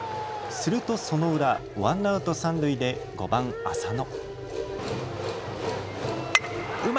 するとその裏、ワンアウト三塁で５番・浅野。